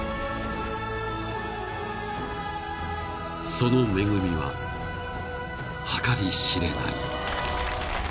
［その恵みは計り知れない］